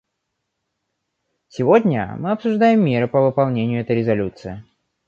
Сегодня мы обсуждаем меры по выполнению этой резолюции.